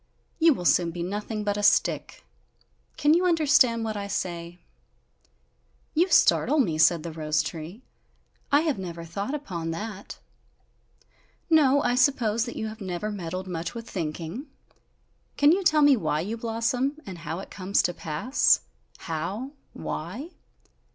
You will soon be nothing but a stick! Can you understand what I say?" "You startle me," said the rose tree, "I have never thought upon that!" "No, I suppose that you have never meddled much with thinking! Can you tell me why you blossom? And how it comes to pass? How? Why?"